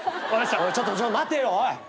ちょっとちょっと待てよおい。